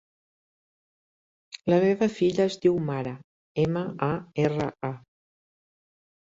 La meva filla es diu Mara: ema, a, erra, a.